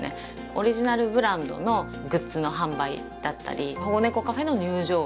オリジナルブランドのグッズの販売だったり保護猫カフェの入場料